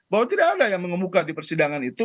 bahwa tidak ada yang mengemuka di persidangan itu